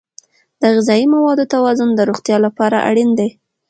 د غذایي موادو توازن د روغتیا لپاره اړین دی.